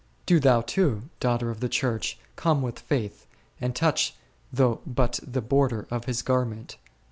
Do thou, too, daughter of the Church, come with faith, and touch though but the border of His garment.